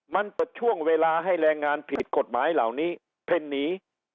มันเปิดช่วงเวลาให้แรงงานผิดกฎหมายเหล่านี้เพ่นหนี